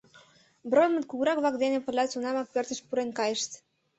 Баронмыт кугурак-влак дене пырля тунамак пӧртыш пурен кайышт.